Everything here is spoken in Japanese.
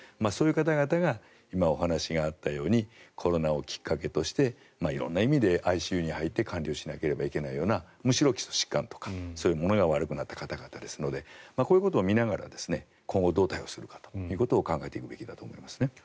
そういう方々が今、お話があったようにコロナをきっかけとして色んな意味でＩＣＵに入って管理をしないといけないような基礎疾患とかそういうものが悪くなった方々ですのでこういうものを見ながら今後、どう対応するかを考えていただければと思いますね。